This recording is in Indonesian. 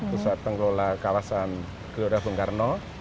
pusat pengelola kawasan gelora bung karno